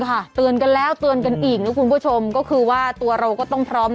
ค่ะเตือนกันแล้วเตือนกันอีกนะคุณผู้ชมก็คือว่าตัวเราก็ต้องพร้อม